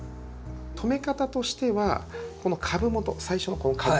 留め方としてはこの株元最初のこの株元ですね